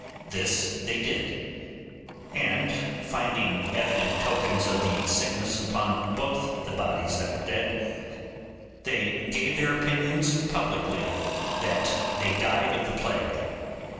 This they did; and finding evident tokens of the sickness upon both the bodies that were dead, they gave their opinions publicly that they died of the plague.